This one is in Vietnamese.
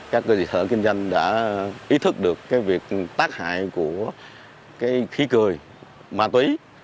các cơ sở kinh doanh đã ý thức được cái việc tác hại của cái khí cười ma túy